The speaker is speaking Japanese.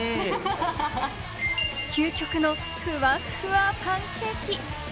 究極のふわっふわパンケーキ。